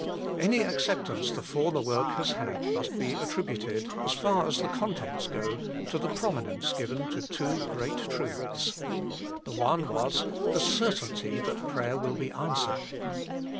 Any acceptance the former work has had must be attributed, as far as the contents go, to the prominence given to two great truths. The one was, the certainty that prayer will be answered.